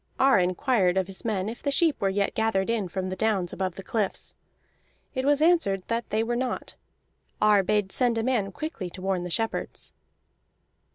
Ar inquired of his men if the sheep were yet gathered in from the downs above the cliffs. It was answered that they were not. Ar bade send a man quickly to warn the shepherds.